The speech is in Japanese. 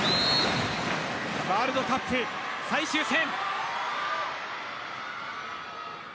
ワールドカップ最終戦。